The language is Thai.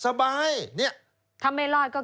ถ้าไม่รอดก็แค่อย่างเนี่ยผ่านปักขัมหาว์นนิดเดียวเอง